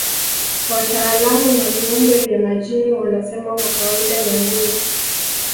Wataalamu wa viumbe vya majini wanasema kwa kawaida Nyangumi